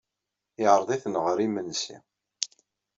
Yeɛreḍ-iten ɣer yimensi.